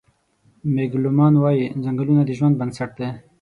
مېګ لومان وايي: "ځنګلونه د ژوند بنسټ دی.